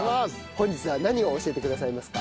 本日は何を教えてくださいますか？